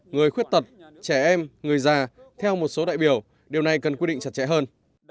người khuyết tật trẻ em người già theo một số đại biểu điều này cần quy định chặt chẽ hơn